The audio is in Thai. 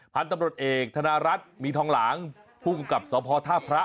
พันธุ์ตำรวจเอกธนรัฐมีทองหลางผู้กำกับสพท่าพระ